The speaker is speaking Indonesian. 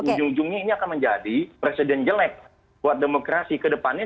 ujung ujungnya ini akan menjadi presiden jelek buat demokrasi kedepannya